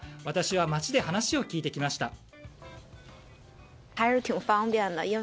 私は街で話を聞いてきました。